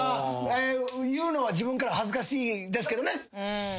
言うのは自分からは恥ずかしいですけどね。